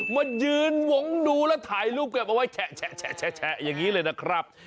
มายืนวงดูแล้วถ่ายรูปกลับเอาไว้แฉะอย่างนี้เลยนะครับ